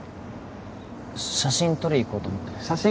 写真撮り行こうと思ってる写真？